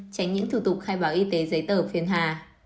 tránh những thủ tục khai báo y tế giấy tờ phiền hà